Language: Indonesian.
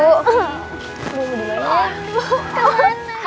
aduh mudah ya